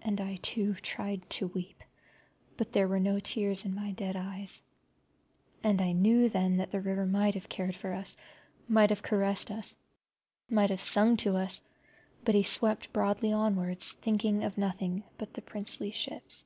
And I, too, tried to weep, but there were no tears in my dead eyes. And I knew then that the river might have cared for us, might have caressed us, might have sung to us, but he swept broadly onwards, thinking of nothing but the princely ships.